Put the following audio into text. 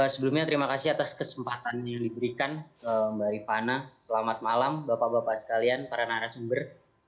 sebelumnya terima kasih atas kesempatan yang diberikan mbak rifana selamat malam bapak bapak sekalian para narasumber